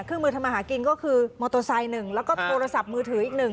เครื่องมือทำมาหากินก็คือมอเตอร์ไซค์หนึ่งแล้วก็โทรศัพท์มือถืออีกหนึ่ง